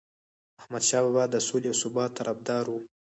احمدشاه بابا د سولې او ثبات طرفدار و.